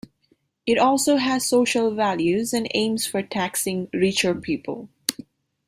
It also has social values and aims for taxing richer people.